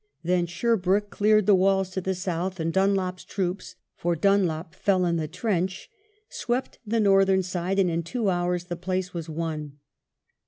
Then Sherbrooke cleared the walls to the south, and Dunlop's troops, for Dunlop fell on the breach, swept the northern side, and in two hours the place was won.